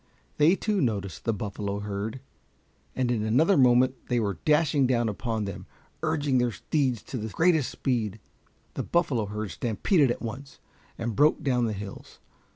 They too noticed the buffalo herd, and in another moment they were dashing down upon them, urging their steeds to the greatest speed. The buffalo herd stampeded at once, and broke down the hills.